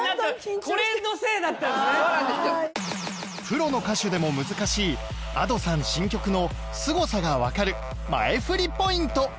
プロの歌手でも難しい Ａｄｏ さん新曲のすごさがわかる前フリポイント